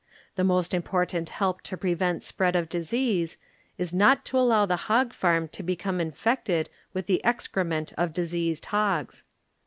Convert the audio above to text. The most important help to prevent spread of disease is not to allow the hog farm to become infected with the excrement of diseased hogs.